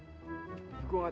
gue mau kabur aja